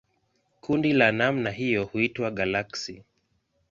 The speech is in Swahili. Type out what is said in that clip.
Kundi la namna hiyo huitwa galaksi.